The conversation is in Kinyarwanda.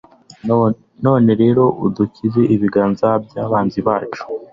none rero, udukize ibiganza by'abanzi bacu